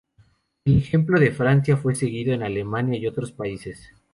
El ejemplo de Francia fue seguido en Alemania y otros países.